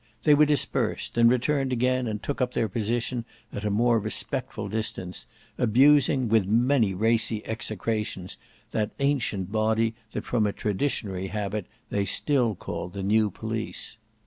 They were dispersed, and returned again and took up their position at a more respectful distance, abusing with many racy execrations that ancient body that from a traditionary habit they still called the New Police.